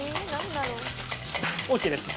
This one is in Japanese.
ＯＫです。